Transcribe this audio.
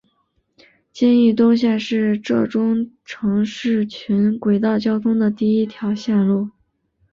金义东线是浙中城市群轨道交通的第一条线路。